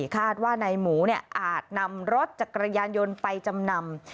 คาดว่านายหมูอาจนำรถจักรยานยนต์ไปจำนำ